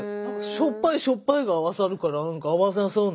しょっぱいしょっぱいが合わさるから何か合わなさそうなね。